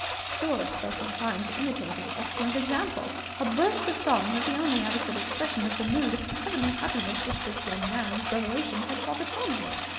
George felt inclined to imitate his excellent example. A burst of song was the only adequate expression of the mood of heavenly happiness which this young man's revelations had brought upon him.